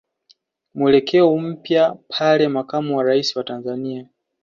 mwelekeo mpya pale Makamo wa Rais wa Tanzania